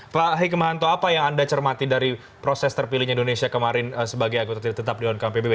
pak hikmahanto apa yang anda cermati dari proses terpilihnya indonesia kemarin sebagai agut tertir tetap di undang undang pbb